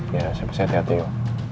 ya siapa sih hati hati ya